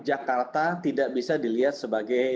jakarta tidak bisa dilihat sebagai